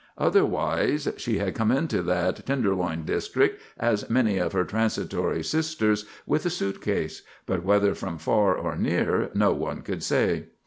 Otherwise she had come into that Tenderloin district as many of her transitory sisters, with a suit case; but whether from far or near no one could say.